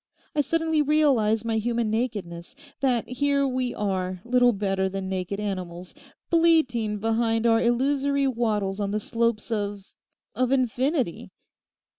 I suddenly realise my human nakedness: that here we are, little better than naked animals, bleating behind our illusory wattles on the slopes of—of infinity.